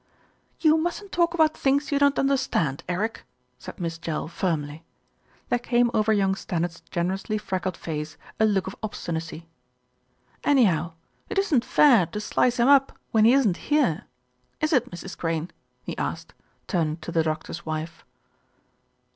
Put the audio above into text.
"You mustn't talk about things you don't under stand, Eric," said Miss Jell firmly. There came over young Stannard's generously freckled face a look of obstinacy. "Anyhow, it isn't fair to slice him up when he isn't here, is it, Mrs. Crane?" he asked, turning to the doc tor's wife.